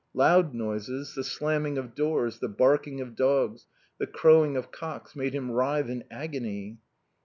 Loud noises, the slamming of doors, the barking of dogs, the crowing of cocks, made him writhe in agony.